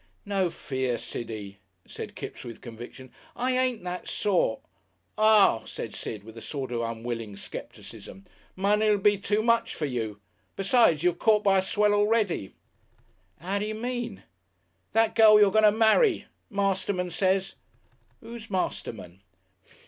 "No fear, Siddee," said Kipps with conviction. "I ain't that sort." "Ah!" said Sid, with a sort of unwilling scepticism, "money'll be too much for you. Besides you're caught by a swell already." "'Ow d'you mean?" "That girl you're going to marry. Masterman says " "Oo's Masterman?"